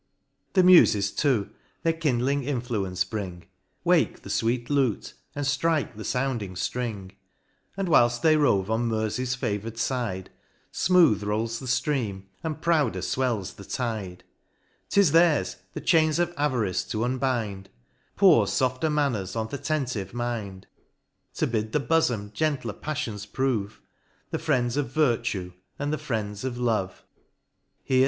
The Muses too, their kindling influence bring, Wake the fweet lute, and ftrike the foundinor ftrins And whilft they rove on Mersey's favour'd flde, Smooth rolls the ftream, and prouder fwells the tide. 'Tis theirs, the chains of avarice to unbind, Pour fofter manners on th' attentive mind ; To bid the bofom gentler pafTions prove ; The friends of Virtue, and the friends of Love. —Here 20 MOUNT PLEASANT.